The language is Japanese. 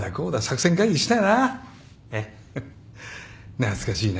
懐かしいな。